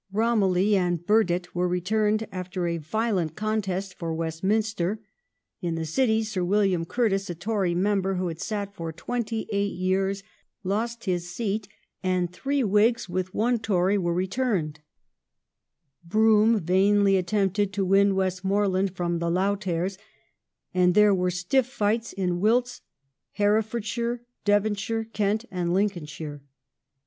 Romilly and Burdett were returned after a violent contest for Westminster ; in the City Sir William Curtis, a Tory member, who had sat for twenty eight years, lost his seat, and three Whigs with one Tory were returned ; Brougham vainly attempted to win West moreland from the Lowthers ; and there were stiff fights in Wilts, Herefordshire, Devonshire, Kent, and Lincolnshire.